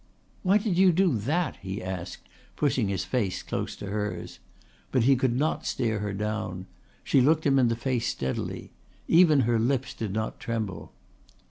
"Why did you do that?" he asked, pushing his face close to hers. But he could not stare her down. She looked him in the face steadily. Even her lips did not tremble.